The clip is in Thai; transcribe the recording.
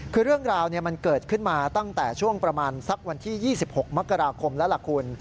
คือเรื่องราวมันเกิดขึ้นมาตั้งแต่ช่วงประมาณสักวันที่๒๖มกราคมแล้วล่ะคุณ